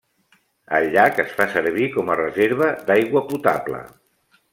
El llac es fa servir com a reserva d'aigua potable.